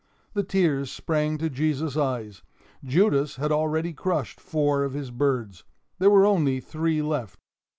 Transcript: The tears sprang to Jesus' eyes. Judas had already crushed four of his birds. There were only three left.